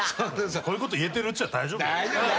こういうこと言えてるうちは大丈夫よ。